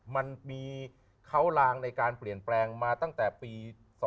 มันมีเขาลางในการเปลี่ยนแปลงมาตั้งแต่ปี๒๕๖